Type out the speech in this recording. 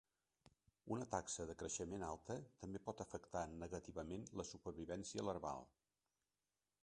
Una taxa de creixement alta també pot afectar negativament la supervivència larval.